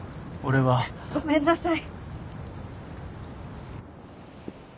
ごめんなさい。